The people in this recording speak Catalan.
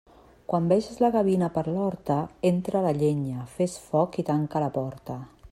Quan veges la gavina per l'horta, entra la llenya, fes foc i tanca la porta.